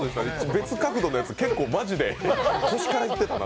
別角度のやつ結構マジで腰からいってたな。